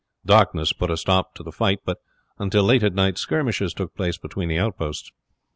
Darkness put a stop to the fight, but until late at night skirmishes took place between the outposts.